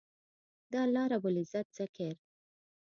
د الله رب العزت ذکر